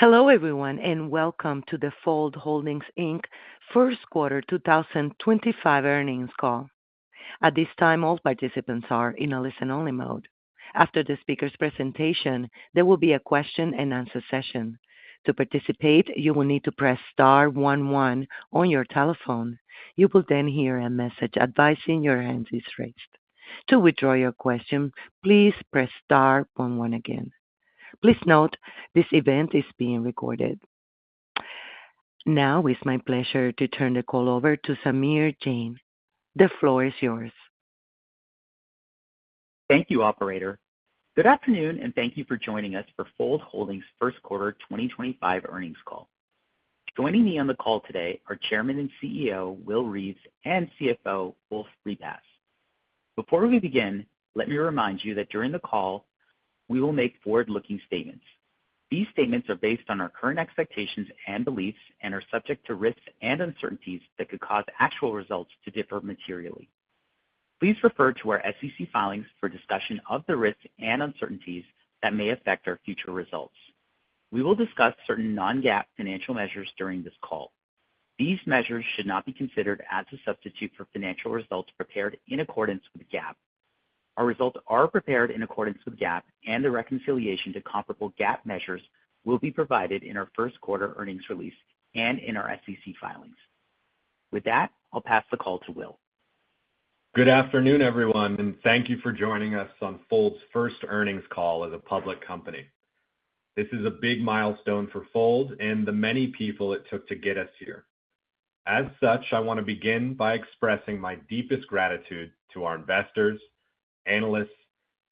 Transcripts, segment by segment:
Hello everyone and welcome to the Fold Holdings Inc. First Quarter 2025 Earnings Call. At this time, all participants are in a listen-only mode. After the speaker's presentation, there will be a question-and-answer session. To participate, you will need to press star 11 on your telephone. You will then hear a message advising your hand is raised. To withdraw your question, please press star 11 again. Please note this event is being recorded. Now, it's my pleasure to turn the call over to Samir Jain. The floor is yours. Thank you, Operator. Good afternoon and thank you for joining us for Fold Holdings First Quarter 2025 Earnings Call. Joining me on the call today are Chairman and CEO Will Reeves and CFO Wolfe Repass. Before we begin, let me remind you that during the call, we will make forward-looking statements. These statements are based on our current expectations and beliefs and are subject to risks and uncertainties that could cause actual results to differ materially. Please refer to our SEC filings for discussion of the risks and uncertainties that may affect our future results. We will discuss certain non-GAAP financial measures during this call. These measures should not be considered as a substitute for financial results prepared in accordance with GAAP. Our results are prepared in accordance with GAAP, and the reconciliation to comparable GAAP measures will be provided in our first quarter earnings release and in our SEC filings. With that, I'll pass the call to Will. Good afternoon, everyone, and thank you for joining us on Fold's first earnings call as a public company. This is a big milestone for Fold and the many people it took to get us here. As such, I want to begin by expressing my deepest gratitude to our investors, analysts,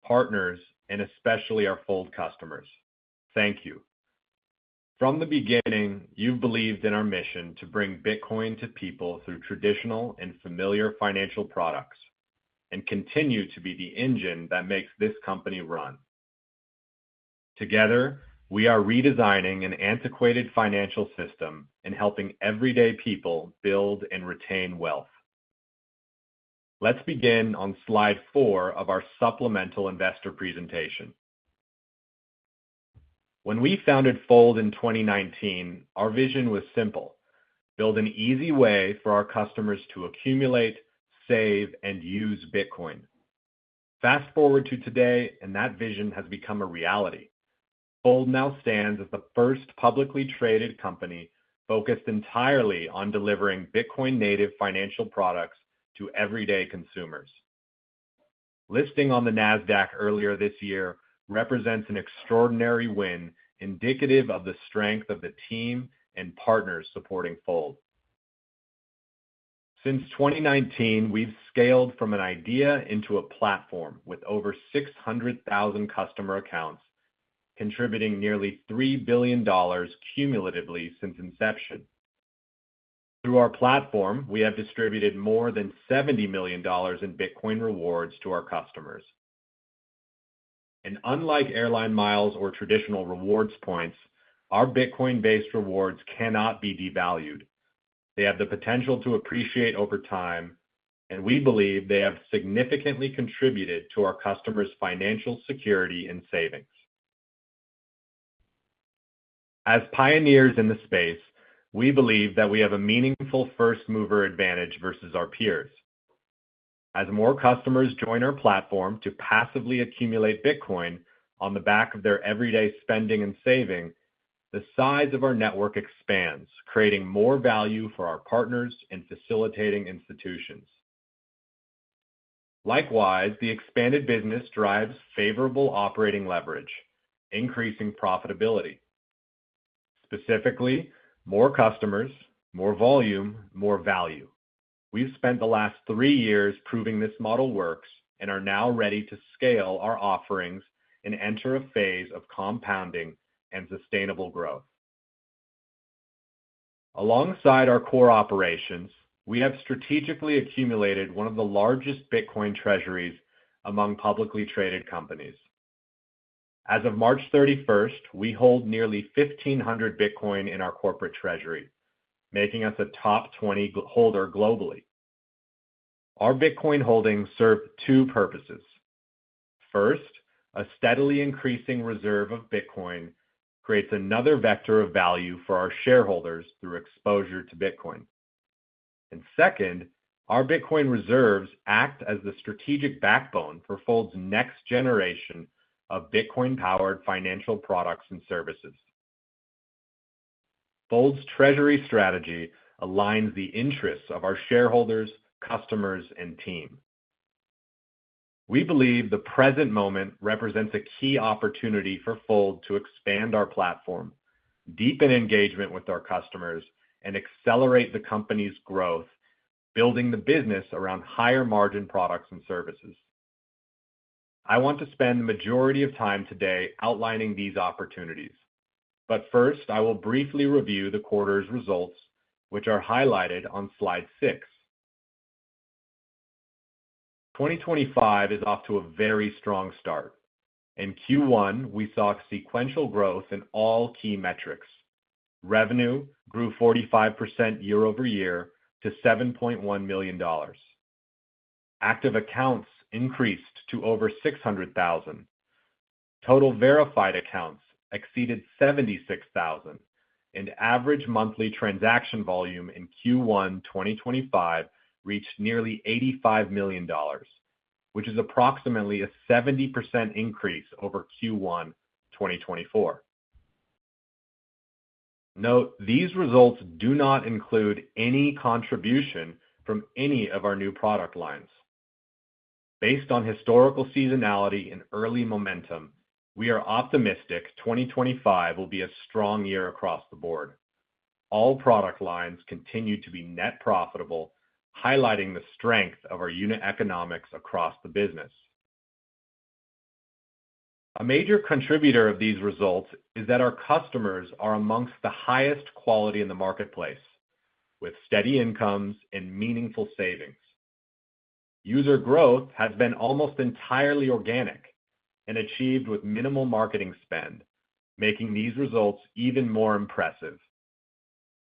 partners, and especially our Fold customers. Thank you. From the beginning, you've believed in our mission to bring Bitcoin to people through traditional and familiar financial products and continue to be the engine that makes this company run. Together, we are redesigning an antiquated financial system and helping everyday people build and retain wealth. Let's begin on slide four of our supplemental investor presentation. When we founded Fold in 2019, our vision was simple: build an easy way for our customers to accumulate, save, and use Bitcoin. Fast forward to today, and that vision has become a reality. Fold now stands as the first publicly traded company focused entirely on delivering Bitcoin-native financial products to everyday consumers. Listing on the NASDAQ earlier this year represents an extraordinary win, indicative of the strength of the team and partners supporting Fold. Since 2019, we've scaled from an idea into a platform with over 600,000 customer accounts, contributing nearly $3 billion cumulatively since inception. Through our platform, we have distributed more than $70 million in Bitcoin rewards to our customers. And unlike airline miles or traditional rewards points, our Bitcoin-based rewards cannot be devalued. They have the potential to appreciate over time, and we believe they have significantly contributed to our customers' financial security and savings. As pioneers in the space, we believe that we have a meaningful first-mover advantage versus our peers. As more customers join our platform to passively accumulate Bitcoin on the back of their everyday spending and saving, the size of our network expands, creating more value for our partners and facilitating institutions. Likewise, the expanded business drives favorable operating leverage, increasing profitability. Specifically, more customers, more volume, more value. We've spent the last three years proving this model works and are now ready to scale our offerings and enter a phase of compounding and sustainable growth. Alongside our core operations, we have strategically accumulated one of the largest Bitcoin treasuries among publicly traded companies. As of March 31st, we hold nearly 1,500 Bitcoin in our corporate treasury, making us a top 20 holder globally. Our Bitcoin holdings serve two purposes. First, a steadily increasing reserve of Bitcoin creates another vector of value for our shareholders through exposure to Bitcoin. And second, our Bitcoin reserves act as the strategic backbone for Fold's next generation of Bitcoin-powered financial products and services. Fold's treasury strategy aligns the interests of our shareholders, customers, and team. We believe the present moment represents a key opportunity for Fold to expand our platform, deepen engagement with our customers, and accelerate the company's growth, building the business around higher margin products and services. I want to spend the majority of time today outlining these opportunities. But first, I will briefly review the quarter's results, which are highlighted on slide six. 2025 is off to a very strong start. In Q1, we saw sequential growth in all key metrics. Revenue grew 45% year-over-year to $7.1 million. Active accounts increased to over 600,000. Total verified accounts exceeded 76,000, and average monthly transaction volume in Q1 2025 reached nearly $85 million, which is approximately a 70% increase over Q1 2024. Note, these results do not include any contribution from any of our new product lines. Based on historical seasonality and early momentum, we are optimistic 2025 will be a strong year across the board. All product lines continue to be net profitable, highlighting the strength of our unit economics across the business. A major contributor of these results is that our customers are among the highest quality in the marketplace, with steady incomes and meaningful savings. User growth has been almost entirely organic and achieved with minimal marketing spend, making these results even more impressive.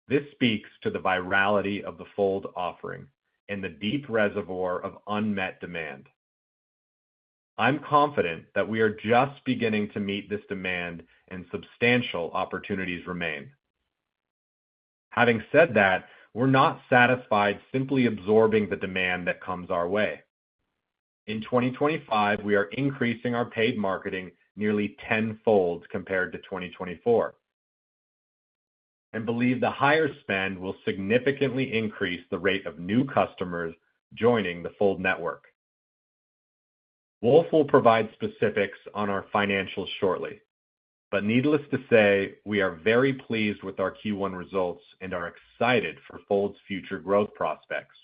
This speaks to the virality of the Fold offering and the deep reservoir of unmet demand. I'm confident that we are just beginning to meet this demand and substantial opportunities remain. Having said that, we're not satisfied simply absorbing the demand that comes our way. In 2025, we are increasing our paid marketing nearly tenfold compared to 2024 and believe the higher spend will significantly increase the rate of new customers joining the Fold network. Wolfe will provide specifics on our financials shortly, but needless to say, we are very pleased with our Q1 results and are excited for Fold's future growth prospects.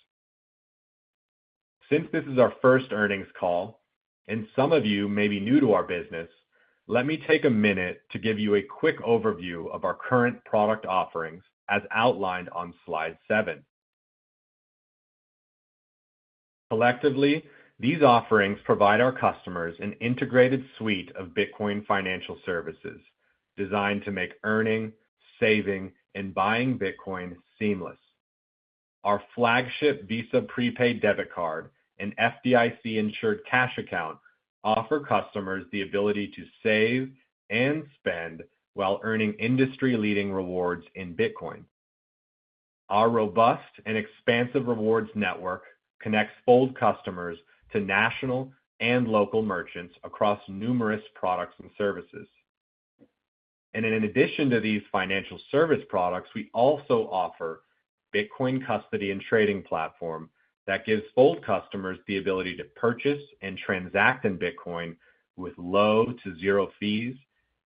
Since this is our first earnings call, and some of you may be new to our business, let me take a minute to give you a quick overview of our current product offerings as outlined on slide seven. Collectively, these offerings provide our customers an integrated suite of Bitcoin financial services designed to make earning, saving, and buying Bitcoin seamless. Our flagship Visa prepaid debit card and FDIC-insured cash account offer customers the ability to save and spend while earning industry-leading rewards in Bitcoin. Our robust and expansive rewards network connects Fold customers to national and local merchants across numerous products and services. In addition to these financial service products, we also offer Bitcoin custody and trading platform that gives Fold customers the ability to purchase and transact in Bitcoin with low to zero fees,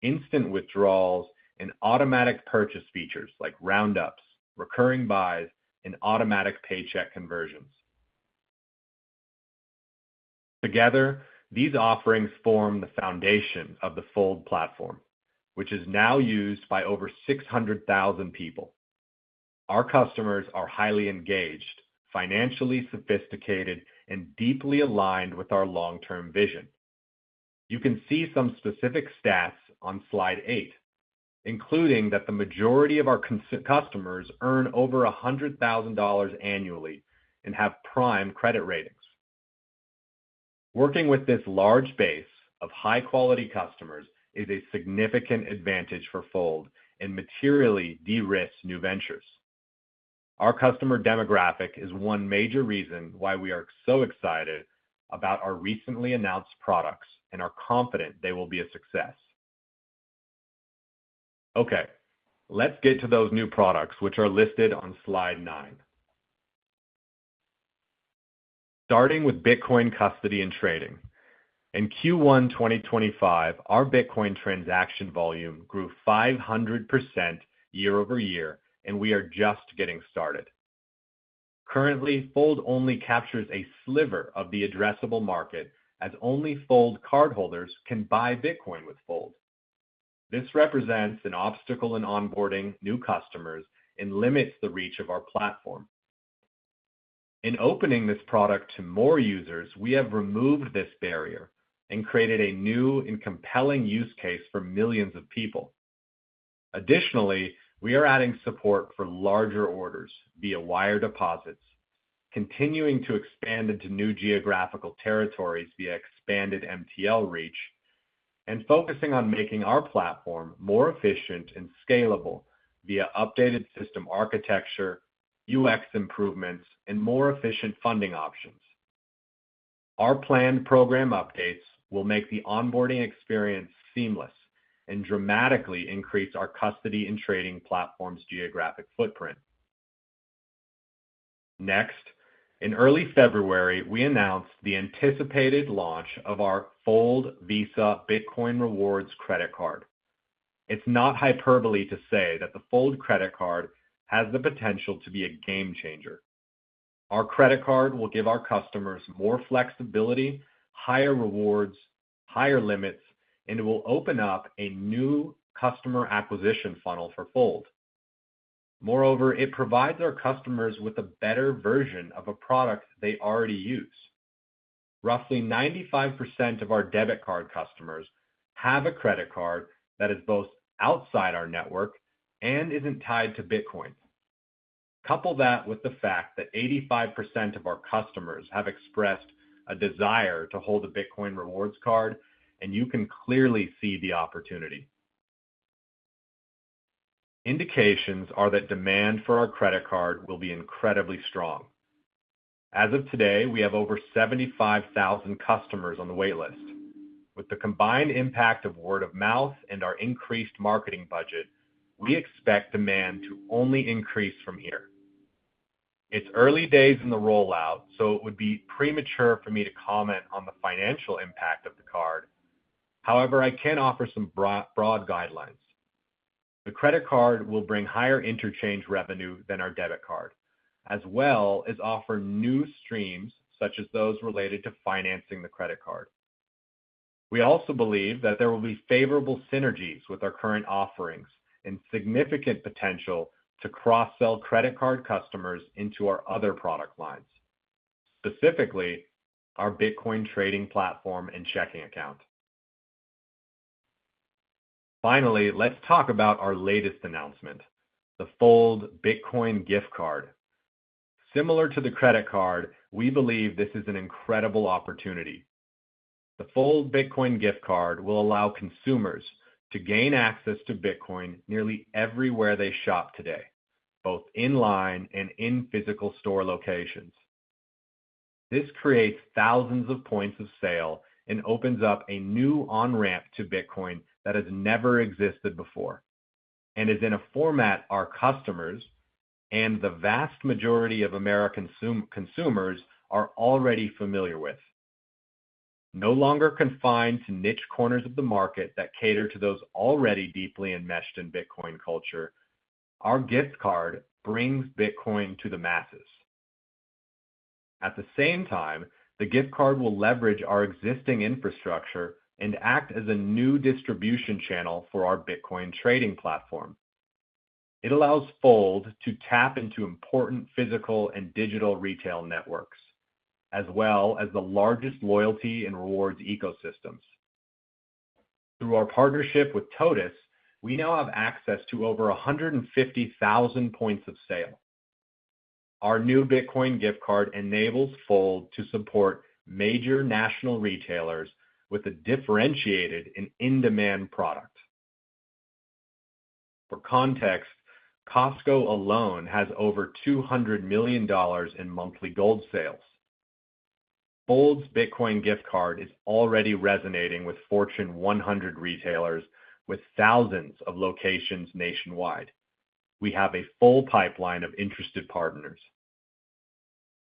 instant withdrawals, and automatic purchase features like roundups, recurring buys, and automatic paycheck conversions. Together, these offerings form the foundation of the Fold platform, which is now used by over 600,000 people. Our customers are highly engaged, financially sophisticated, and deeply aligned with our long-term vision. You can see some specific stats on slide eight, including that the majority of our customers earn over $100,000 annually and have prime credit ratings. Working with this large base of high-quality customers is a significant advantage for Fold and materially de-risk new ventures. Our customer demographic is one major reason why we are so excited about our recently announced products and are confident they will be a success. Okay, let's get to those new products, which are listed on slide nine. Starting with Bitcoin custody and trading. In Q1 2025, our Bitcoin transaction volume grew 500% year-over-year, and we are just getting started. Currently, Fold only captures a sliver of the addressable market, as only Fold cardholders can buy Bitcoin with Fold. This represents an obstacle in onboarding new customers and limits the reach of our platform. In opening this product to more users, we have removed this barrier and created a new and compelling use case for millions of people. Additionally, we are adding support for larger orders via wire deposits, continuing to expand into new geographical territories via expanded MTL reach, and focusing on making our platform more efficient and scalable via updated system architecture, UX improvements, and more efficient funding options. Our planned program updates will make the onboarding experience seamless and dramatically increase our custody and trading platform's geographic footprint. Next, in early February, we announced the anticipated launch of our Fold Visa Bitcoin Rewards Credit Card. It's not hyperbole to say that the Fold Credit Card has the potential to be a game changer. Our credit card will give our customers more flexibility, higher rewards, higher limits, and it will open up a new customer acquisition funnel for Fold. Moreover, it provides our customers with a better version of a product they already use. Roughly 95% of our debit card customers have a credit card that is both outside our network and isn't tied to Bitcoin. Couple that with the fact that 85% of our customers have expressed a desire to hold a Bitcoin rewards card, and you can clearly see the opportunity. Indications are that demand for our credit card will be incredibly strong. As of today, we have over 75,000 customers on the waitlist. With the combined impact of word of mouth and our increased marketing budget, we expect demand to only increase from here. It's early days in the rollout, so it would be premature for me to comment on the financial impact of the card. However, I can offer some broad guidelines. The credit card will bring higher interchange revenue than our debit card, as well as offer new streams such as those related to financing the credit card. We also believe that there will be favorable synergies with our current offerings and significant potential to cross-sell credit card customers into our other product lines, specifically our Bitcoin trading platform and checking account. Finally, let's talk about our latest announcement, the Fold Bitcoin Gift Card. Similar to the credit card, we believe this is an incredible opportunity. The Fold Bitcoin Gift Card will allow consumers to gain access to Bitcoin nearly everywhere they shop today, both online and in physical store locations. This creates thousands of points of sale and opens up a new on-ramp to Bitcoin that has never existed before and is in a format our customers and the vast majority of American consumers are already familiar with. No longer confined to niche corners of the market that cater to those already deeply enmeshed in Bitcoin culture, our gift card brings Bitcoin to the masses. At the same time, the gift card will leverage our existing infrastructure and act as a new distribution channel for our Bitcoin trading platform. It allows Fold to tap into important physical and digital retail networks, as well as the largest loyalty and rewards ecosystems. Through our partnership with Totus, we now have access to over 150,000 points of sale. Our new Bitcoin gift card enables Fold to support major national retailers with a differentiated and in-demand product. For context, Costco alone has over $200 million in monthly gold sales. Fold's Bitcoin gift card is already resonating with Fortune 100 retailers with thousands of locations nationwide. We have a full pipeline of interested partners.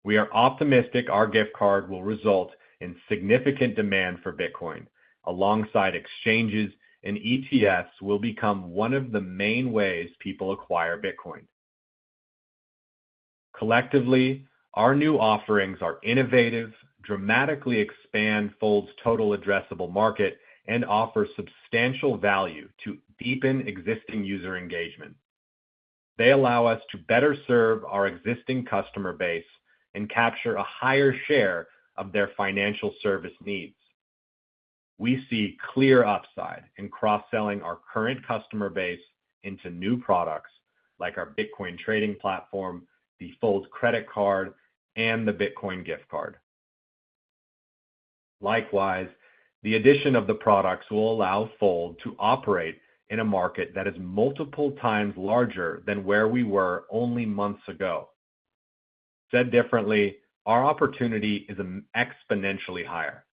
We are optimistic our gift card will result in significant demand for Bitcoin. Alongside exchanges and ETFs will become one of the main ways people acquire Bitcoin. Collectively, our new offerings are innovative, dramatically expand Fold's total addressable market, and offer substantial value to deepen existing user engagement. They allow us to better serve our existing customer base and capture a higher share of their financial service needs. We see clear upside in cross-selling our current customer base into new products like our Bitcoin trading platform, the Fold credit card, and the Bitcoin gift card. Likewise, the addition of the products will allow Fold to operate in a market that is multiple times larger than where we were only months ago. Said differently, our opportunity is exponentially higher.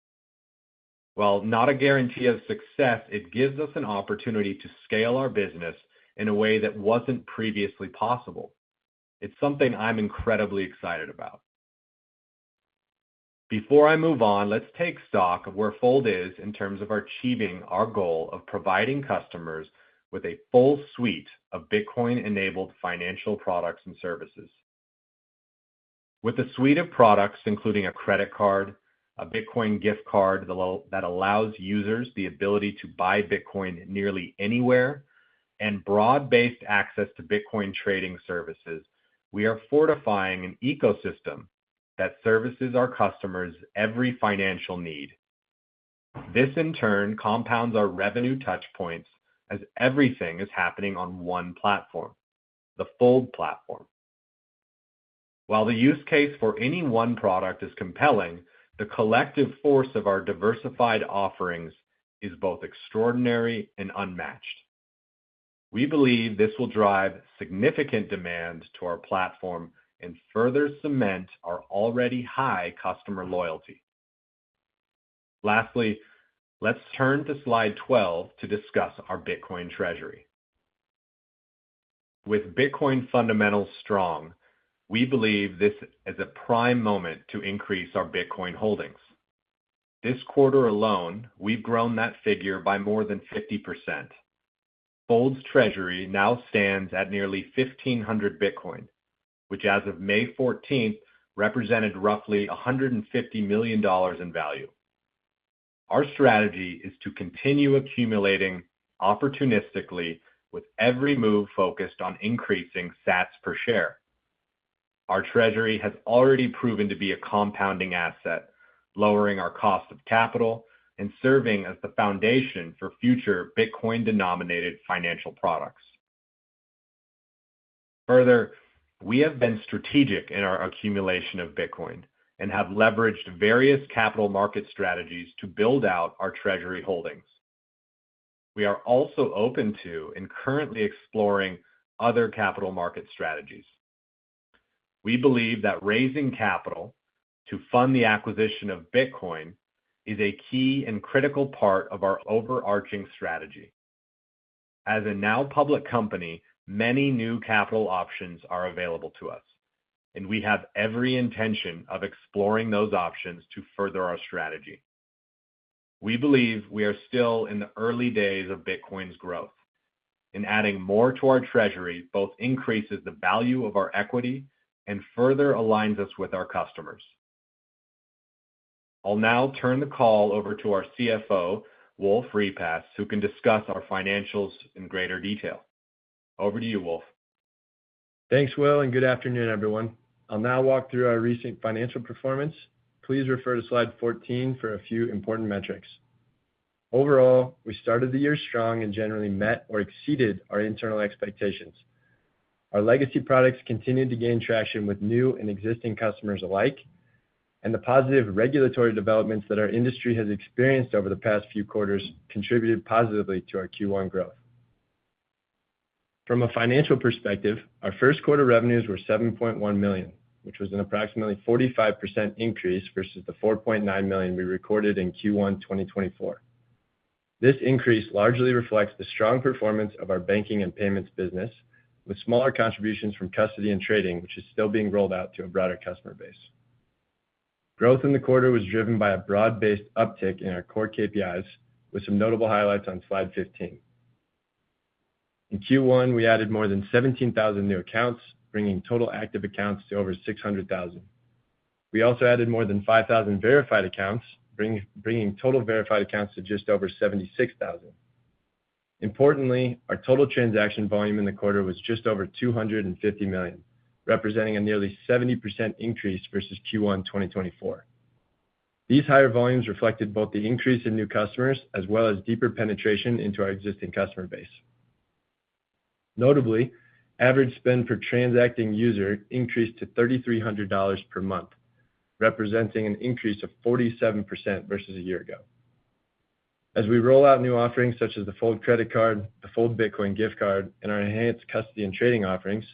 While not a guarantee of success, it gives us an opportunity to scale our business in a way that wasn't previously possible. It's something I'm incredibly excited about. Before I move on, let's take stock of where Fold is in terms of achieving our goal of providing customers with a full suite of Bitcoin-enabled financial products and services. With a suite of products including a credit card, a Bitcoin gift card that allows users the ability to buy Bitcoin nearly anywhere, and broad-based access to Bitcoin trading services, we are fortifying an ecosystem that services our customers' every financial need. This, in turn, compounds our revenue touchpoints as everything is happening on one platform, the Fold platform. While the use case for any one product is compelling, the collective force of our diversified offerings is both extraordinary and unmatched. We believe this will drive significant demand to our platform and further cement our already high customer loyalty. Lastly, let's turn to slide 12 to discuss our Bitcoin treasury. With Bitcoin fundamentals strong, we believe this is a prime moment to increase our Bitcoin holdings. This quarter alone, we've grown that figure by more than 50%. Fold's treasury now stands at nearly 1,500 Bitcoin, which as of May 14th represented roughly $150 million in value. Our strategy is to continue accumulating opportunistically with every move focused on increasing sats per share. Our treasury has already proven to be a compounding asset, lowering our cost of capital and serving as the foundation for future Bitcoin-denominated financial products. Further, we have been strategic in our accumulation of Bitcoin and have leveraged various capital market strategies to build out our treasury holdings. We are also open to and currently exploring other capital market strategies. We believe that raising capital to fund the acquisition of Bitcoin is a key and critical part of our overarching strategy. As a now public company, many new capital options are available to us, and we have every intention of exploring those options to further our strategy. We believe we are still in the early days of Bitcoin's growth, and adding more to our treasury both increases the value of our equity and further aligns us with our customers. I'll now turn the call over to our CFO, Wolfe Repass, who can discuss our financials in greater detail. Over to you, Wolfe. Thanks, Will, and good afternoon, everyone. I'll now walk through our recent financial performance. Please refer to slide 14 for a few important metrics. Overall, we started the year strong and generally met or exceeded our internal expectations. Our legacy products continue to gain traction with new and existing customers alike, and the positive regulatory developments that our industry has experienced over the past few quarters contributed positively to our Q1 growth. From a financial perspective, our first quarter revenues were $7.1 million, which was an approximately 45% increase versus the $4.9 million we recorded in Q1 2024. This increase largely reflects the strong performance of our banking and payments business, with smaller contributions from custody and trading, which is still being rolled out to a broader customer base. Growth in the quarter was driven by a broad-based uptick in our core KPIs, with some notable highlights on slide 15. In Q1, we added more than 17,000 new accounts, bringing total active accounts to over 600,000. We also added more than 5,000 verified accounts, bringing total verified accounts to just over 76,000. Importantly, our total transaction volume in the quarter was just over $250 million, representing a nearly 70% increase versus Q1 2024. These higher volumes reflected both the increase in new customers as well as deeper penetration into our existing customer base. Notably, average spend per transacting user increased to $3,300 per month, representing an increase of 47% versus a year ago. As we roll out new offerings such as the Fold credit card, the Fold Bitcoin gift card, and our enhanced custody and trading offerings,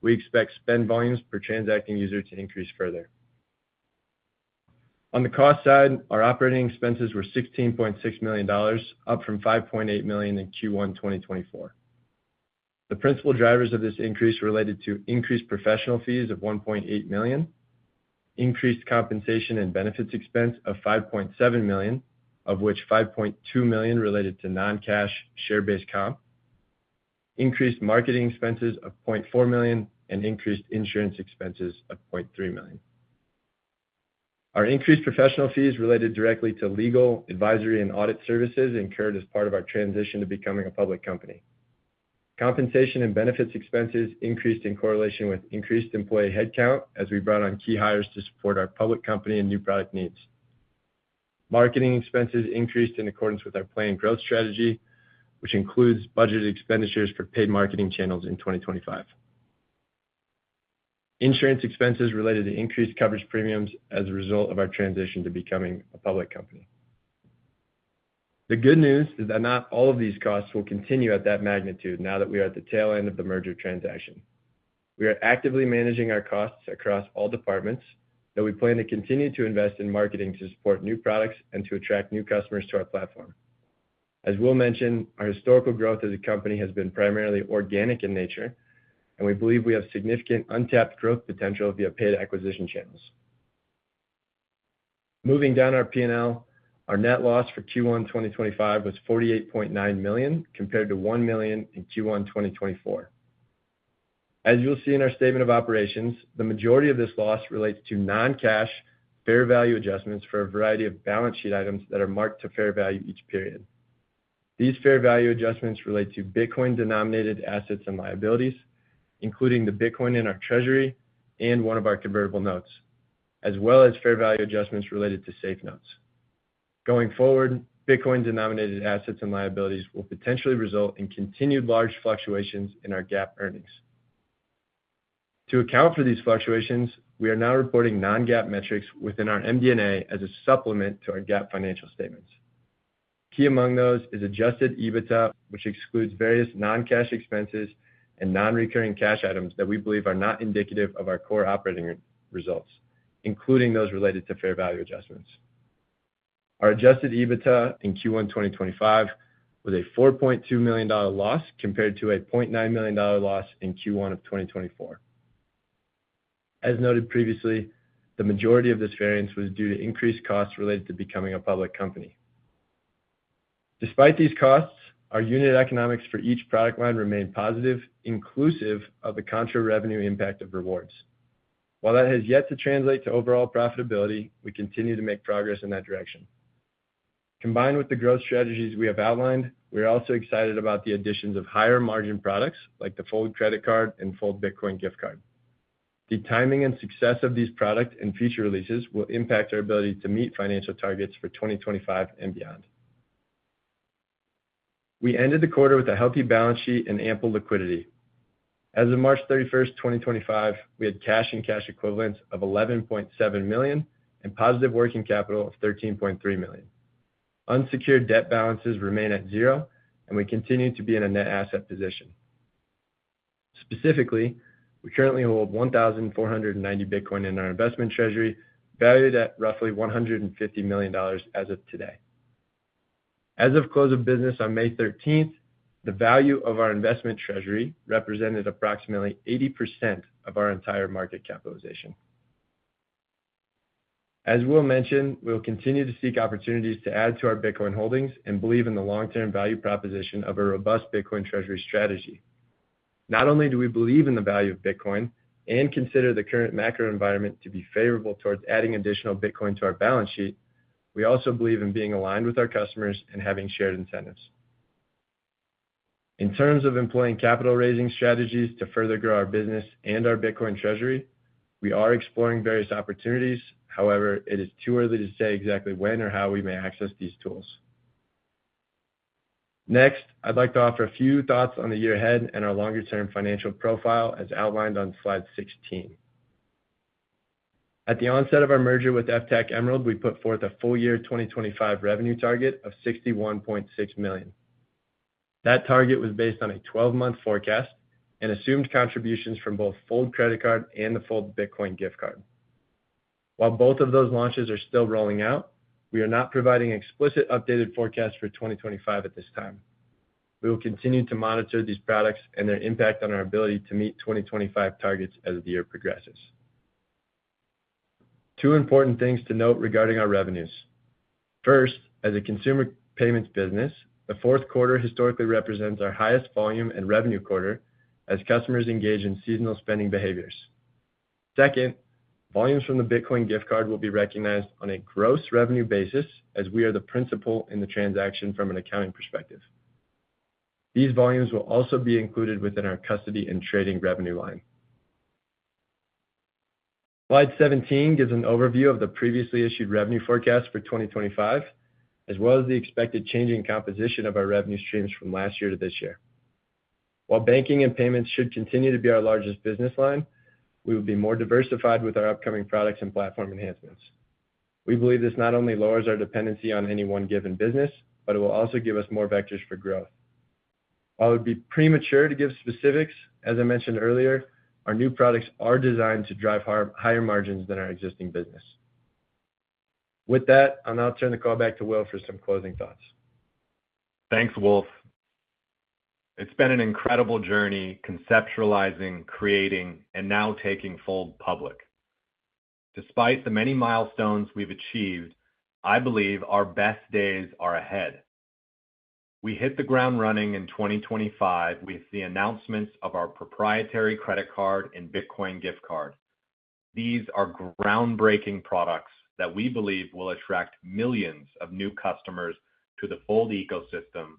we expect spend volumes per transacting user to increase further. On the cost side, our operating expenses were $16.6 million, up from $5.8 million in Q1 2024. The principal drivers of this increase related to increased professional fees of $1.8 million, increased compensation and benefits expense of $5.7 million, of which $5.2 million related to non-cash share-based comp, increased marketing expenses of $0.4 million, and increased insurance expenses of $0.3 million. Our increased professional fees related directly to legal, advisory, and audit services incurred as part of our transition to becoming a public company. Compensation and benefits expenses increased in correlation with increased employee headcount as we brought on key hires to support our public company and new product needs. Marketing expenses increased in accordance with our planned growth strategy, which includes budgeted expenditures for paid marketing channels in 2025. Insurance expenses related to increased coverage premiums as a result of our transition to becoming a public company. The good news is that not all of these costs will continue at that magnitude now that we are at the tail end of the merger transaction. We are actively managing our costs across all departments, though we plan to continue to invest in marketing to support new products and to attract new customers to our platform. As Will mentioned, our historical growth as a company has been primarily organic in nature, and we believe we have significant untapped growth potential via paid acquisition channels. Moving down our P&L, our net loss for Q1 2025 was $48.9 million compared to $1 million in Q1 2024. As you'll see in our statement of operations, the majority of this loss relates to non-cash fair value adjustments for a variety of balance sheet items that are marked to fair value each period. These fair value adjustments relate to Bitcoin-denominated assets and liabilities, including the Bitcoin in our treasury and one of our convertible notes, as well as fair value adjustments related to SAFE notes. Going forward, Bitcoin-denominated assets and liabilities will potentially result in continued large fluctuations in our GAAP earnings. To account for these fluctuations, we are now reporting non-GAAP metrics within our MD&A as a supplement to our GAAP financial statements. Key among those is adjusted EBITDA, which excludes various non-cash expenses and non-recurring cash items that we believe are not indicative of our core operating results, including those related to fair value adjustments. Our adjusted EBITDA in Q1 2025 was a $4.2 million loss compared to a $0.9 million loss in Q1 of 2024. As noted previously, the majority of this variance was due to increased costs related to becoming a public company. Despite these costs, our unit economics for each product line remained positive, inclusive of the contra-revenue impact of rewards. While that has yet to translate to overall profitability, we continue to make progress in that direction. Combined with the growth strategies we have outlined, we are also excited about the additions of higher margin products like the Fold credit card and Fold Bitcoin gift card. The timing and success of these product and feature releases will impact our ability to meet financial targets for 2025 and beyond. We ended the quarter with a healthy balance sheet and ample liquidity. As of March 31st, 2025, we had cash and cash equivalents of $11.7 million and positive working capital of $13.3 million. Unsecured debt balances remain at zero, and we continue to be in a net asset position. Specifically, we currently hold 1,490 Bitcoin in our investment treasury, valued at roughly $150 million as of today. As of close of business on May 13th, the value of our investment treasury represented approximately 80% of our entire market capitalization. As Will mentioned, we will continue to seek opportunities to add to our Bitcoin holdings and believe in the long-term value proposition of a robust Bitcoin treasury strategy. Not only do we believe in the value of Bitcoin and consider the current macro environment to be favorable towards adding additional Bitcoin to our balance sheet, we also believe in being aligned with our customers and having shared incentives. In terms of employing capital raising strategies to further grow our business and our Bitcoin treasury, we are exploring various opportunities. However, it is too early to say exactly when or how we may access these tools. Next, I'd like to offer a few thoughts on the year ahead and our longer-term financial profile as outlined on slide 16. At the onset of our merger with FTAC Emerald, we put forth a full-year 2025 revenue target of $61.6 million. That target was based on a 12-month forecast and assumed contributions from both Fold credit card and the Fold Bitcoin gift card. While both of those launches are still rolling out, we are not providing explicit updated forecasts for 2025 at this time. We will continue to monitor these products and their impact on our ability to meet 2025 targets as the year progresses. Two important things to note regarding our revenues. First, as a consumer payments business, the fourth quarter historically represents our highest volume and revenue quarter as customers engage in seasonal spending behaviors. Second, volumes from the Bitcoin gift card will be recognized on a gross revenue basis as we are the principal in the transaction from an accounting perspective. These volumes will also be included within our custody and trading revenue line. Slide 17 gives an overview of the previously issued revenue forecast for 2025, as well as the expected changing composition of our revenue streams from last year to this year. While banking and payments should continue to be our largest business line, we will be more diversified with our upcoming products and platform enhancements. We believe this not only lowers our dependency on any one given business, but it will also give us more vectors for growth. While it would be premature to give specifics, as I mentioned earlier, our new products are designed to drive higher margins than our existing business. With that, I'll now turn the call back to Will for some closing thoughts. Thanks, Wolfe. It's been an incredible journey conceptualizing, creating, and now taking Fold public. Despite the many milestones we've achieved, I believe our best days are ahead. We hit the ground running in 2025 with the announcements of our proprietary credit card and Bitcoin gift card. These are groundbreaking products that we believe will attract millions of new customers to the Fold ecosystem,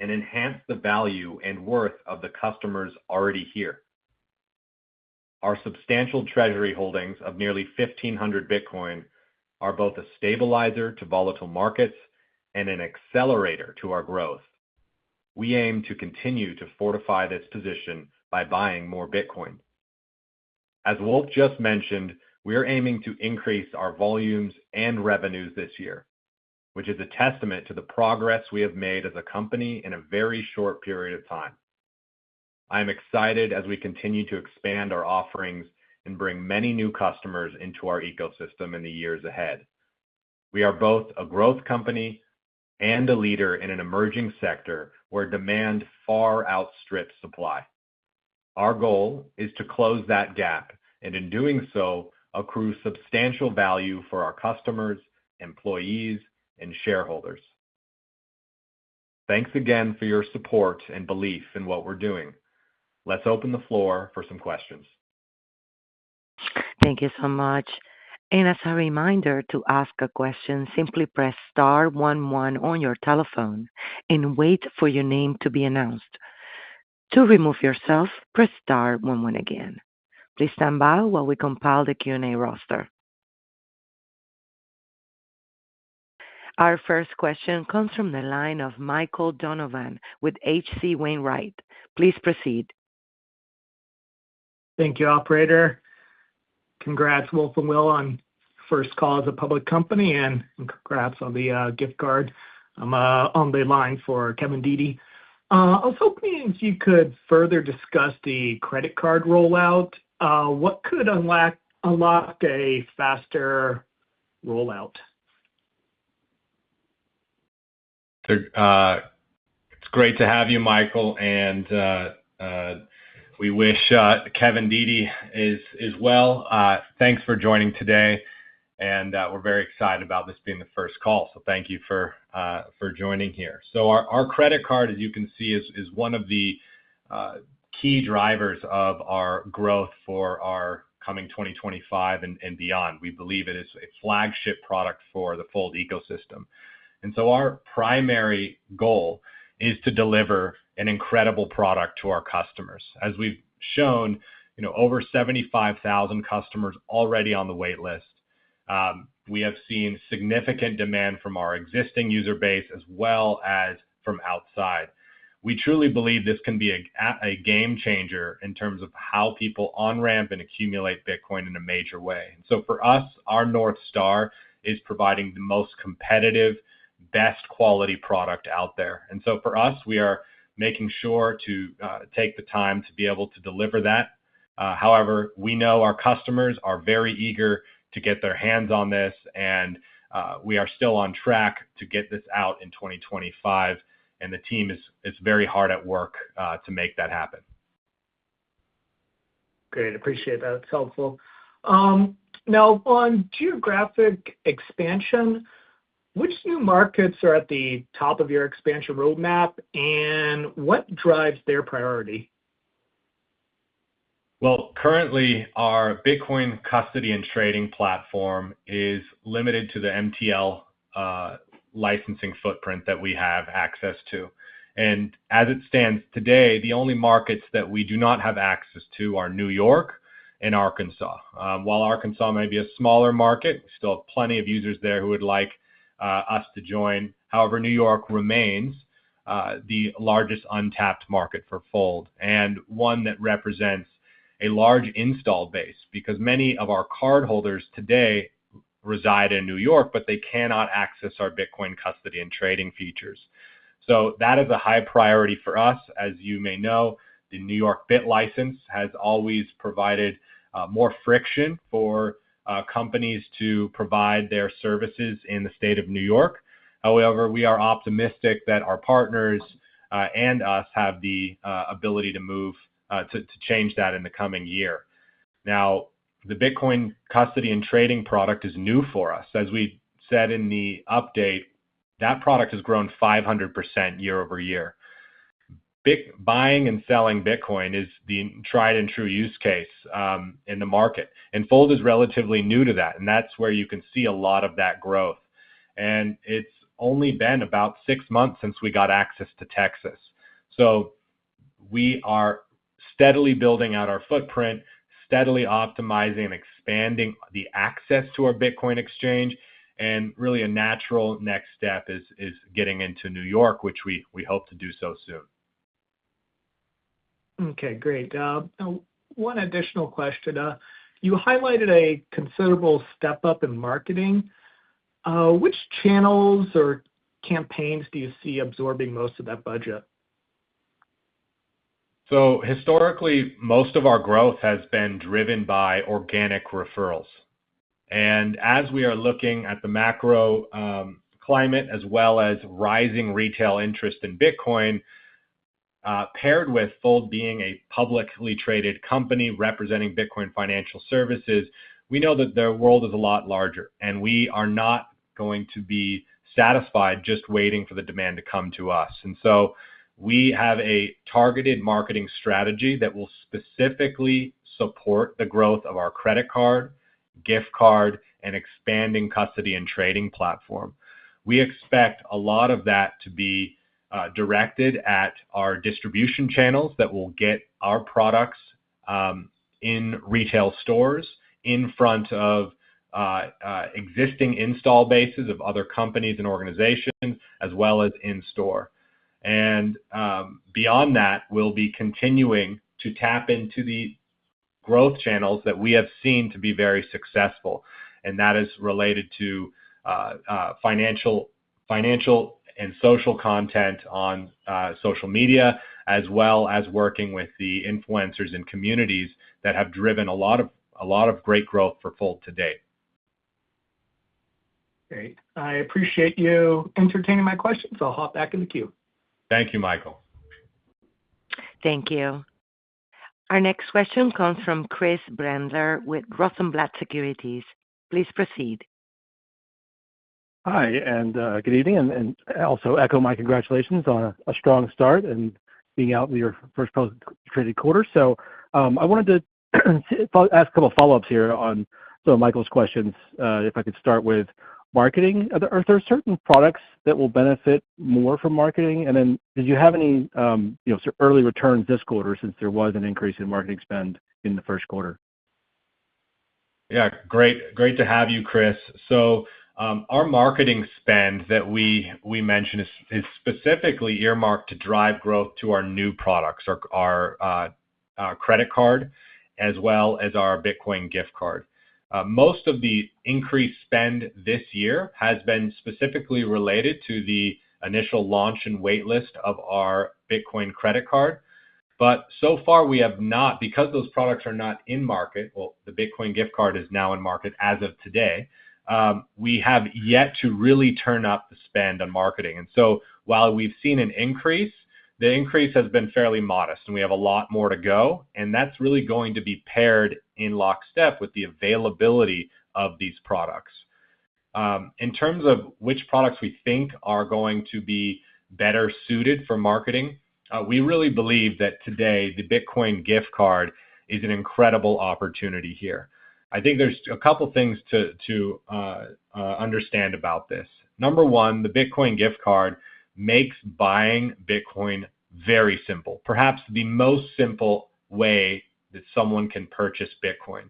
and enhance the value and worth of the customers already here. Our substantial treasury holdings of nearly 1,500 Bitcoin are both a stabilizer to volatile markets and an accelerator to our growth. We aim to continue to fortify this position by buying more Bitcoin. As Wolfe just mentioned, we are aiming to increase our volumes and revenues this year, which is a testament to the progress we have made as a company in a very short period of time. I am excited as we continue to expand our offerings and bring many new customers into our ecosystem in the years ahead. We are both a growth company and a leader in an emerging sector where demand far outstrips supply. Our goal is to close that gap and, in doing so, accrue substantial value for our customers, employees, and shareholders. Thanks again for your support and belief in what we're doing. Let's open the floor for some questions. Thank you so much, and as a reminder to ask a question, simply press *11 on your telephone and wait for your name to be announced. To remove yourself, press *11 again. Please stand by while we compile the Q&A roster. Our first question comes from the line of Michael Donovan with H.C. Wainwright. Please proceed. Thank you, Operator. Congrats, Wolfe and Will, on first call as a public company, and congrats on the gift card. I'm on the line for Kevin Dede. I was hoping if you could further discuss the credit card rollout, what could unlock a faster rollout? It's great to have you, Michael, and we wish Kevin Dede as well. Thanks for joining today, and we're very excited about this being the first call, so thank you for joining here. So our credit card, as you can see, is one of the key drivers of our growth for our coming 2025 and beyond. We believe it is a flagship product for the Fold ecosystem, and so our primary goal is to deliver an incredible product to our customers. As we've shown, over 75,000 customers already on the waitlist. We have seen significant demand from our existing user base as well as from outside. We truly believe this can be a game changer in terms of how people on-ramp and accumulate Bitcoin in a major way, and so for us, our North Star is providing the most competitive, best quality product out there, and so for us, we are making sure to take the time to be able to deliver that. However, we know our customers are very eager to get their hands on this, and we are still on track to get this out in 2025, and the team is very hard at work to make that happen. Great. Appreciate that. It's helpful. Now, on geographic expansion, which new markets are at the top of your expansion roadmap, and what drives their priority? Currently, our Bitcoin custody and trading platform is limited to the MTL licensing footprint that we have access to. As it stands today, the only markets that we do not have access to are New York and Arkansas. While Arkansas may be a smaller market, we still have plenty of users there who would like us to join. However, New York remains the largest untapped market for Fold and one that represents a large install base because many of our cardholders today reside in New York, but they cannot access our Bitcoin custody and trading features. That is a high priority for us. As you may know, the New York BitLicense has always provided more friction for companies to provide their services in the state of New York. However, we are optimistic that our partners and us have the ability to change that in the coming year. Now, the Bitcoin custody and trading product is new for us. As we said in the update, that product has grown 500% year-over-year. Buying and selling Bitcoin is the tried and true use case in the market, and Fold is relatively new to that, and that's where you can see a lot of that growth, and it's only been about six months since we got access to Texas, so we are steadily building out our footprint, steadily optimizing and expanding the access to our Bitcoin exchange, and really a natural next step is getting into New York, which we hope to do so soon. Okay. Great. One additional question. You highlighted a considerable step up in marketing. Which channels or campaigns do you see absorbing most of that budget? Historically, most of our growth has been driven by organic referrals. As we are looking at the macro climate as well as rising retail interest in Bitcoin, paired with Fold being a publicly traded company representing Bitcoin financial services, we know that the world is a lot larger, and we are not going to be satisfied just waiting for the demand to come to us. We have a targeted marketing strategy that will specifically support the growth of our credit card, gift card, and expanding custody and trading platform. We expect a lot of that to be directed at our distribution channels that will get our products in retail stores in front of existing install bases of other companies and organizations, as well as in store. And beyond that, we'll be continuing to tap into the growth channels that we have seen to be very successful, and that is related to financial and social content on social media, as well as working with the influencers and communities that have driven a lot of great growth for Fold to date. Great. I appreciate you entertaining my questions, so I'll hop back in the queue. Thank you, Michael. Thank you. Our next question comes from Chris Brendler with Rosenblatt Securities. Please proceed. Hi, and good evening, and also echo my congratulations on a strong start and being out in your first post-traded quarter. So I wanted to ask a couple of follow-ups here on some of Michael's questions. If I could start with marketing, are there certain products that will benefit more from marketing? And then did you have any early returns this quarter since there was an increase in marketing spend in the first quarter? Yeah. Great to have you, Chris. Our marketing spend that we mentioned is specifically earmarked to drive growth to our new products, our credit card, as well as our Bitcoin gift card. Most of the increased spend this year has been specifically related to the initial launch and waitlist of our Bitcoin credit card, but so far, we have not, because those products are not in market, well, the Bitcoin gift card is now in market as of today, we have yet to really turn up the spend on marketing, and so while we've seen an increase, the increase has been fairly modest, and we have a lot more to go, and that's really going to be paired in lockstep with the availability of these products. In terms of which products we think are going to be better suited for marketing, we really believe that today the Bitcoin gift card is an incredible opportunity here. I think there's a couple of things to understand about this. Number one, the Bitcoin gift card makes buying Bitcoin very simple, perhaps the most simple way that someone can purchase Bitcoin.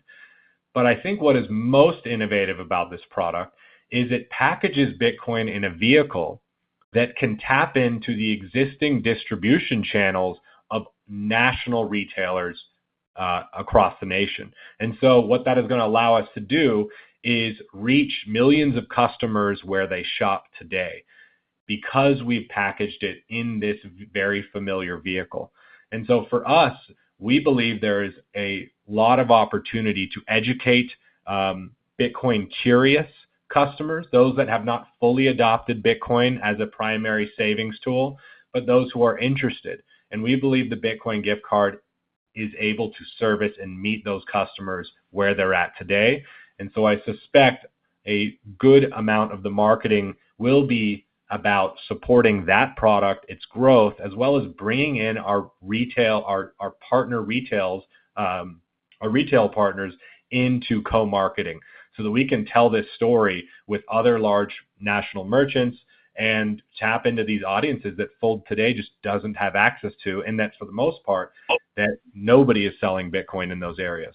But I think what is most innovative about this product is it packages Bitcoin in a vehicle that can tap into the existing distribution channels of national retailers across the nation, and so what that is going to allow us to do is reach millions of customers where they shop today because we've packaged it in this very familiar vehicle. And so for us, we believe there is a lot of opportunity to educate Bitcoin-curious customers, those that have not fully adopted Bitcoin as a primary savings tool, but those who are interested. And we believe the Bitcoin gift card is able to service and meet those customers where they're at today. And so I suspect a good amount of the marketing will be about supporting that product, its growth, as well as bringing in our retail, our partner retails, our retail partners into co-marketing so that we can tell this story with other large national merchants and tap into these audiences that Fold today just doesn't have access to, and that for the most part, nobody is selling Bitcoin in those areas.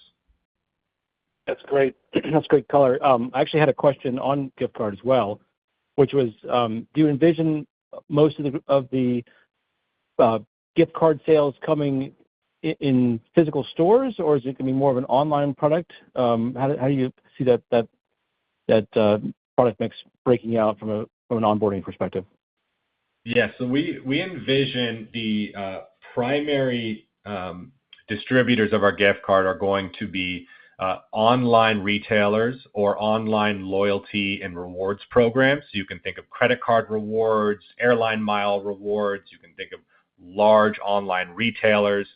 That's great. That's great color. I actually had a question on gift card as well, which was, do you envision most of the gift card sales coming in physical stores, or is it going to be more of an online product? How do you see that product mix breaking out from an onboarding perspective? Yeah, so we envision the primary distributors of our gift card are going to be online retailers or online loyalty and rewards programs. You can think of credit card rewards, airline mile rewards. You can think of large online retailers,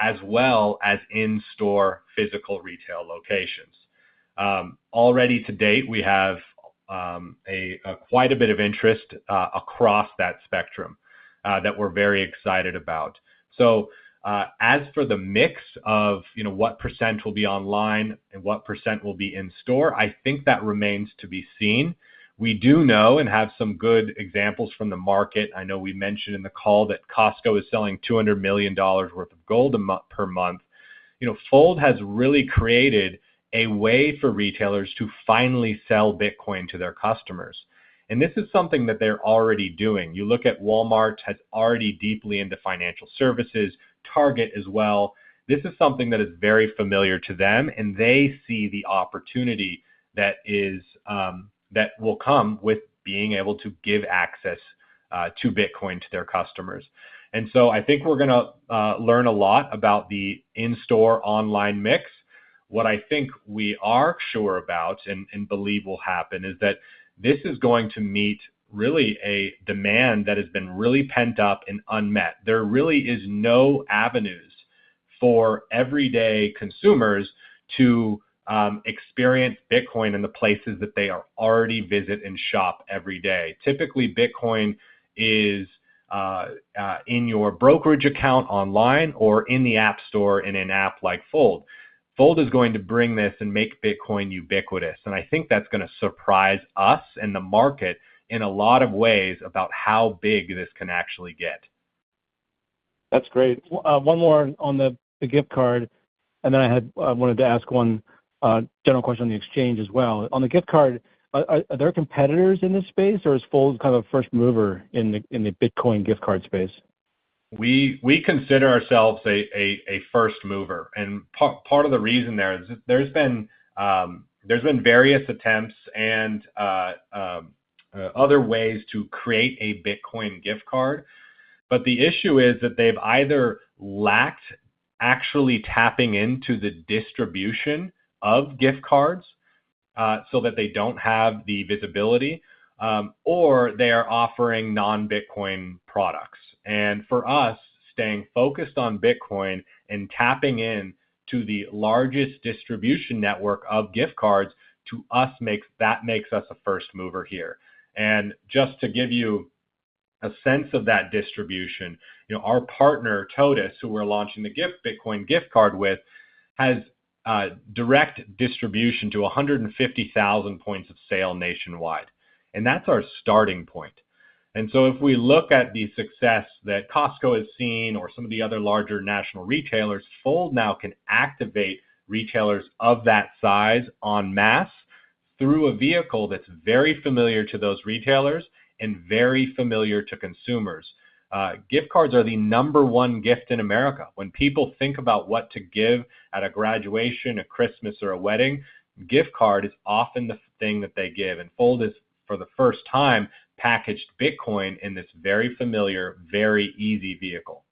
as well as in-store physical retail locations. Already to date, we have quite a bit of interest across that spectrum that we're very excited about, so as for the mix of what percent will be online and what % will be in store, I think that remains to be seen. We do know and have some good examples from the market. I know we mentioned in the call that Costco is selling $200 million worth of gold per month. Fold has really created a way for retailers to finally sell Bitcoin to their customers. And this is something that they're already doing. You look at Walmart has already deeply into financial services, Target as well. This is something that is very familiar to them, and they see the opportunity that will come with being able to give access to Bitcoin to their customers. And so I think we're going to learn a lot about the in-store online mix. What I think we are sure about and believe will happen is that this is going to meet really a demand that has been really pent up and unmet. There really is no avenues for everyday consumers to experience Bitcoin in the places that they already visit and shop every day. Typically, Bitcoin is in your brokerage account online or in the app store in an app like Fold. Fold is going to bring this and make Bitcoin ubiquitous. I think that's going to surprise us and the market in a lot of ways about how big this can actually get. That's great. One more on the gift card, and then I wanted to ask one general question on the exchange as well. On the gift card, are there competitors in this space, or is Fold kind of a first mover in the Bitcoin gift card space? We consider ourselves a first mover. Part of the reason is there's been various attempts and other ways to create a Bitcoin gift card. But the issue is that they've either lacked actually tapping into the distribution of gift cards so that they don't have the visibility, or they are offering non-Bitcoin products. And for us, staying focused on Bitcoin and tapping into the largest distribution network of gift cards to us, that makes us a first mover here. And just to give you a sense of that distribution, our partner, Totus, who we're launching the Bitcoin gift card with, has direct distribution to 150,000 points of sale nationwide. And that's our starting point. And so if we look at the success that Costco has seen or some of the other larger national retailers, Fold now can activate retailers of that size en masse through a vehicle that's very familiar to those retailers and very familiar to consumers. Gift cards are the number one gift in America. When people think about what to give at a graduation, a Christmas, or a wedding, a gift card is often the thing that they give. And Fold has, for the first time, packaged Bitcoin in this very familiar, very easy vehicle.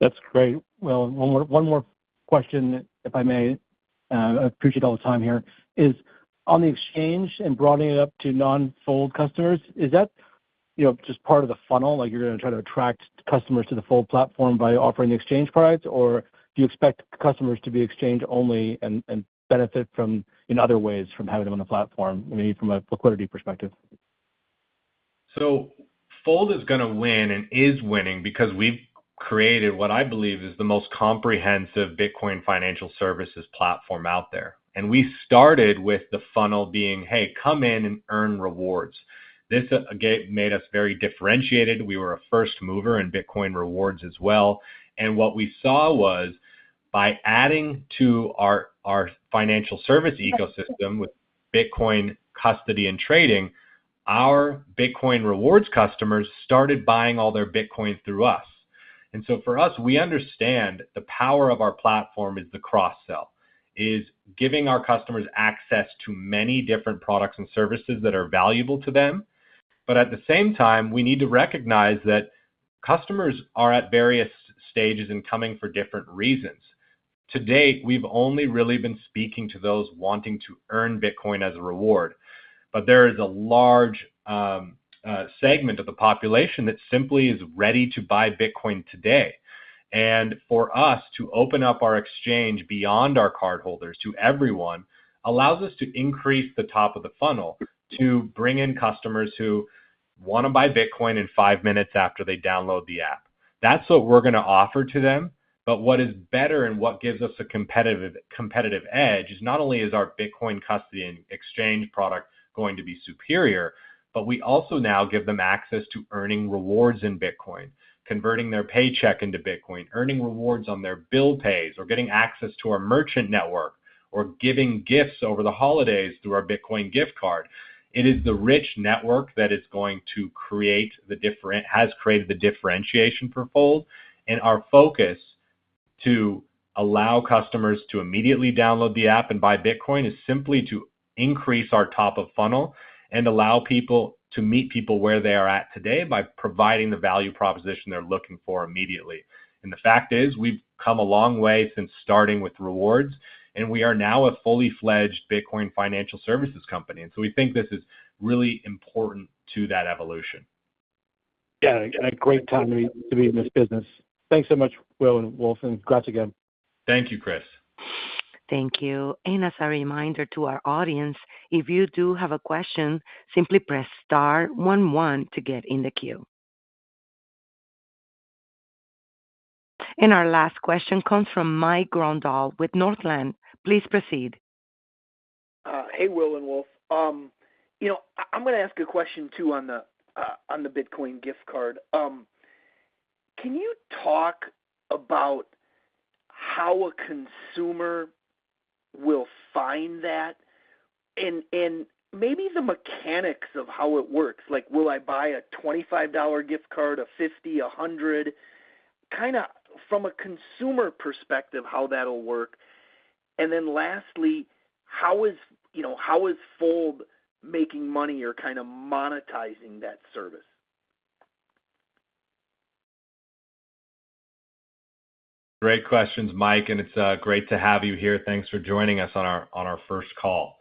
That's great. Well, one more question, if I may. I appreciate all the time here. On the exchange and broadening it up to non-Fold customers, is that just part of the funnel? You're going to try to attract customers to the Fold platform by offering exchange products, or do you expect customers to be exchange-only and benefit in other ways from having them on the platform, maybe from a liquidity perspective? So Fold is going to win and is winning because we've created what I believe is the most comprehensive Bitcoin financial services platform out there. We started with the funnel being, "Hey, come in and earn rewards." This made us very differentiated. We were a first mover in Bitcoin rewards as well. And what we saw was, by adding to our financial service ecosystem with Bitcoin custody and trading, our Bitcoin rewards customers started buying all their Bitcoin through us. And so for us, we understand the power of our platform is the cross-sell, is giving our customers access to many different products and services that are valuable to them. But at the same time, we need to recognize that customers are at various stages and coming for different reasons. To date, we've only really been speaking to those wanting to earn Bitcoin as a reward. But there is a large segment of the population that simply is ready to buy Bitcoin today. For us to open up our exchange beyond our cardholders to everyone allows us to increase the top of the funnel to bring in customers who want to buy Bitcoin in five minutes after they download the app. That's what we're going to offer to them. But what is better and what gives us a competitive edge is not only is our Bitcoin custody and exchange product going to be superior, but we also now give them access to earning rewards in Bitcoin, converting their paycheck into Bitcoin, earning rewards on their bill pays, or getting access to our merchant network, or giving gifts over the holidays through our Bitcoin gift card. It is the rich network that has created the differentiation for Fold. Our focus to allow customers to immediately download the app and buy Bitcoin is simply to increase our top of funnel and allow people to meet people where they are at today by providing the value proposition they're looking for immediately. And the fact is, we've come a long way since starting with rewards, and we are now a fully-fledged Bitcoin financial services company. And so we think this is really important to that evolution. Yeah. And a great time to be in this business. Thanks so much, Will and Wolfe. And congrats again. Thank you, Chris. Thank you. And as a reminder to our audience, if you do have a question, simply press star 11 to get in the queue. And our last question comes from Mike Grondahl with Northland. Please proceed. Hey, Will and Wolfe. I'm going to ask a question too on the Bitcoin gift card. Can you talk about how a consumer will find that and maybe the mechanics of how it works? Will I buy a $25 gift card, a $50, a $100? Kind of from a consumer perspective, how that'll work. And then lastly, how is Fold making money or kind of monetizing that service? Great questions, Mike. And it's great to have you here. Thanks for joining us on our first call.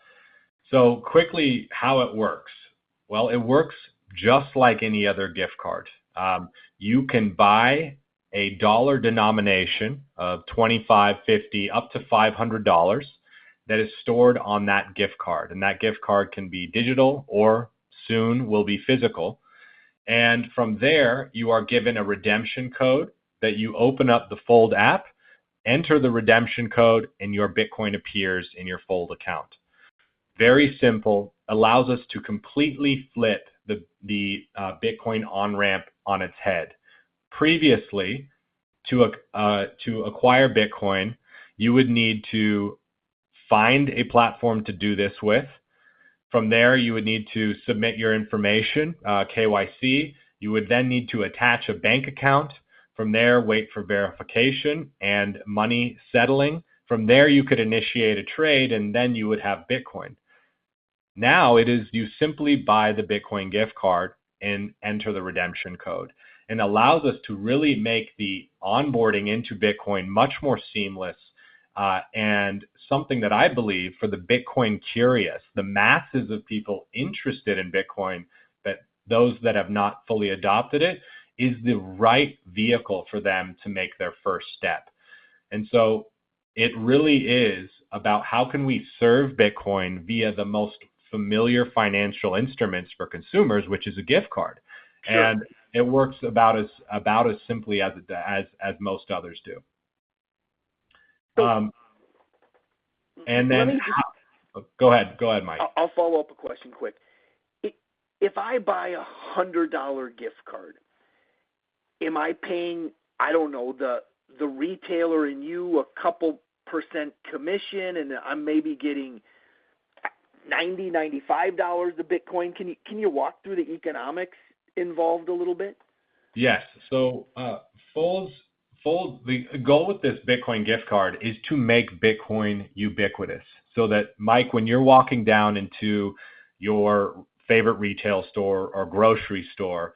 So quickly, how it works. Well, it works just like any other gift card. You can buy a dollar denomination of $25, $50, up to $500 that is stored on that gift card. And that gift card can be digital or soon will be physical. And from there, you are given a redemption code that you open up the Fold app, enter the redemption code, and your Bitcoin appears in your Fold account. Very simple. Allows us to completely flip the Bitcoin on-ramp on its head. Previously, to acquire Bitcoin, you would need to find a platform to do this with. From there, you would need to submit your information, KYC. You would then need to attach a bank account. From there, wait for verification and money settling. From there, you could initiate a trade, and then you would have Bitcoin. Now, it is you simply buy the Bitcoin gift card and enter the redemption code, and it allows us to really make the onboarding into Bitcoin much more seamless, and something that I believe for the Bitcoin curious, the masses of people interested in Bitcoin, but those that have not fully adopted it, is the right vehicle for them to make their first step. And so it really is about how can we serve Bitcoin via the most familiar financial instruments for consumers, which is a gift card. And it works about as simply as most others do. And then go ahead. Go ahead, Mike. I'll follow up a question quick. If I buy a $100 gift card, am I paying, I don't know, the retailer and you a couple percent commission, and I'm maybe getting $90-$95 a Bitcoin? Can you walk through the economics involved a little bit? Yes. So the goal with this Bitcoin gift card is to make Bitcoin ubiquitous. So that, Mike, when you're walking down into your favorite retail store or grocery store,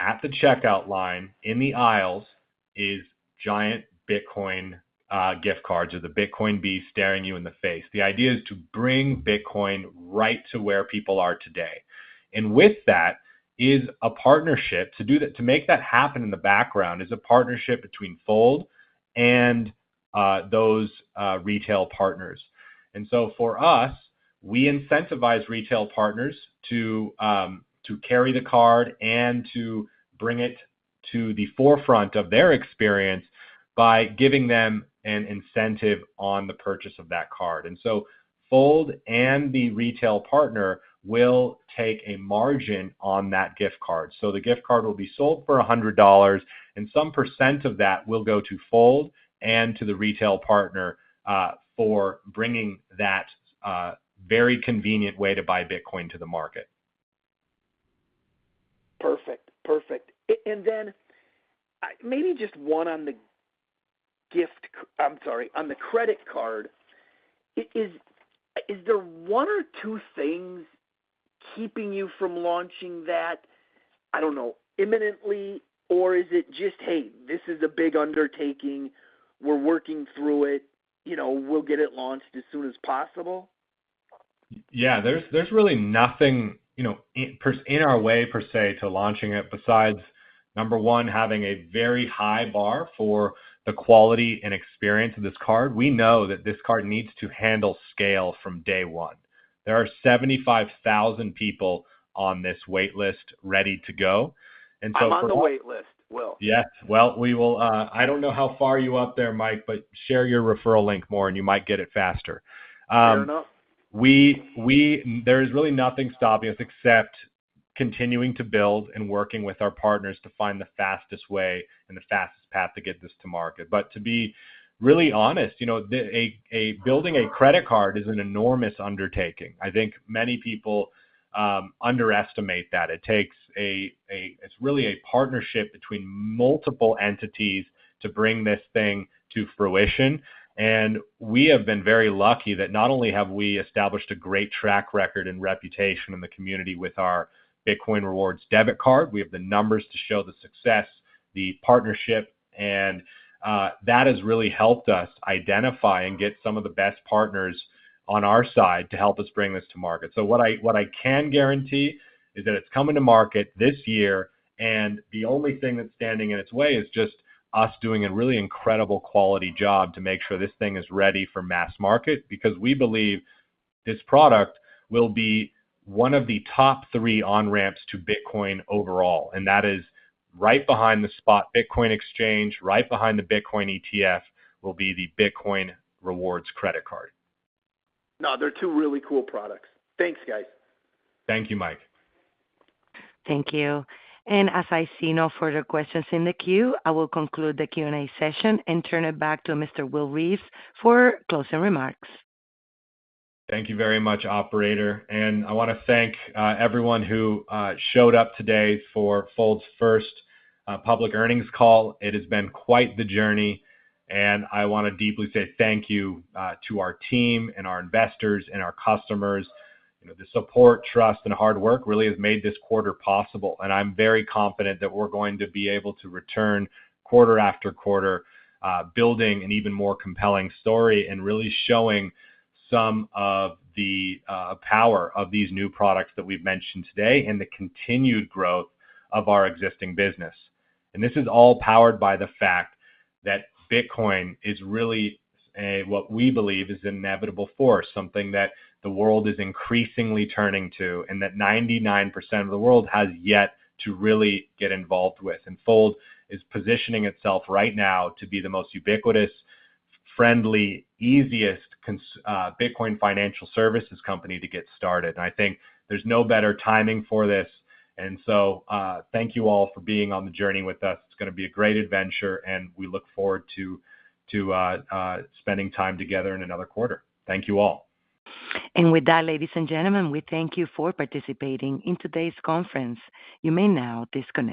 at the checkout line in the aisles, is giant Bitcoin gift cards or the Bitcoin B staring you in the face. The idea is to bring Bitcoin right to where people are today. And with that is a partnership to make that happen in the background is a partnership between Fold and those retail partners. And so for us, we incentivize retail partners to carry the card and to bring it to the forefront of their experience by giving them an incentive on the purchase of that card. And so Fold and the retail partner will take a margin on that gift card. So the gift card will be sold for $100, and some percent of that will go to Fold and to the retail partner for bringing that very convenient way to buy Bitcoin to the market. Perfect. Perfect. And then maybe just one on the gift, I'm sorry, on the credit card. Is there one or two things keeping you from launching that, I don't know, imminently, or is it just, "Hey, this is a big undertaking. We're working through it. We'll get it launched as soon as possible? Yeah. There's really nothing in our way, per se, to launching it besides, number one, having a very high bar for the quality and experience of this card. We know that this card needs to handle scale from day one. There are 75,000 people on this waitlist ready to go. And so I'm on the waitlist, Will. Yes, well, I don't know how far you are up there, Mike, but share your referral link more, and you might get it faster. Fair enough. There is really nothing stopping us except continuing to build and working with our partners to find the fastest way and the fastest path to get this to market. But to be really honest, building a credit card is an enormous undertaking. I think many people underestimate that. It's really a partnership between multiple entities to bring this thing to fruition, and we have been very lucky that not only have we established a great track record and reputation in the community with our Bitcoin rewards debit card, we have the numbers to show the success, the partnership, and that has really helped us identify and get some of the best partners on our side to help us bring this to market, so what I can guarantee is that it's coming to market this year, and the only thing that's standing in its way is just us doing a really incredible quality job to make sure this thing is ready for mass market because we believe this product will be one of the top three on-ramps to Bitcoin overall. And that is right behind the spot Bitcoin exchange, right behind the Bitcoin ETF. Will be the Bitcoin rewards credit card. No, they're two really cool products. Thanks, guys. Thank you, Mike. Thank you. And as I see no further questions in the queue, I will conclude the Q&A session and turn it back to Mr. Will Reeves for closing remarks. Thank you very much, operator. And I want to thank everyone who showed up today for Fold's first public earnings call. It has been quite the journey. And I want to deeply say thank you to our team and our investors and our customers. The support, trust, and hard work really has made this quarter possible. I'm very confident that we're going to be able to return quarter after quarter, building an even more compelling story and really showing some of the power of these new products that we've mentioned today and the continued growth of our existing business. This is all powered by the fact that Bitcoin is really what we believe is an inevitable force, something that the world is increasingly turning to and that 99% of the world has yet to really get involved with. Fold is positioning itself right now to be the most ubiquitous, friendly, easiest Bitcoin financial services company to get started. I think there's no better timing for this. So thank you all for being on the journey with us. It's going to be a great adventure, and we look forward to spending time together in another quarter. Thank you all. With that, ladies and gentlemen, we thank you for participating in today's conference. You may now disconnect.